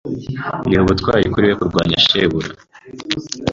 Ni ubutwari kuri we kurwanya shebuja.